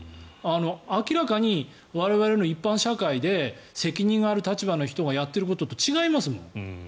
明らかに我々の一般社会で責任がある立場の人がやっていることと違いますもん。